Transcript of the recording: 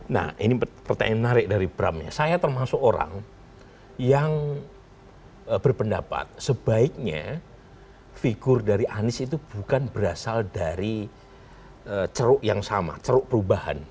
nah ini pertanyaan menarik dari bram ya saya termasuk orang yang berpendapat sebaiknya figur dari anies itu bukan berasal dari ceruk yang sama ceruk perubahan